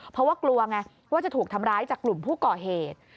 เพราะว่ากลัวไงว่าจะถูกทำร้ายจากกลุ่มผู้ก่อเหตุ